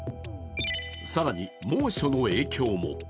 更に猛暑の影響も。